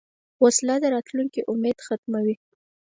وسله د راتلونکې امید ختموي